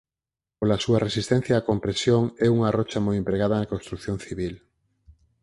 Pola súa resistencia á compresión é unha rocha moi empregada na construción civil.